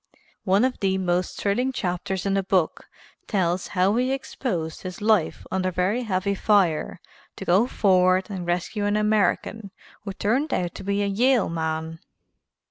One of the most thrilling chapters in the book tells how he exposed his life under very heavy fire to go forward and rescue an American who turned out to be a Yale man.